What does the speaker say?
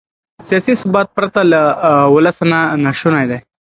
سیاسي ثبات پرته له ولسه ناشونی دی.